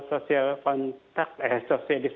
ketiga kontak tracing